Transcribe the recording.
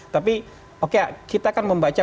tapi oke kita kan membaca